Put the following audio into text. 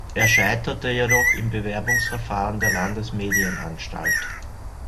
Er scheiterte jedoch im Bewerbungsverfahren der Landesmedienanstalt.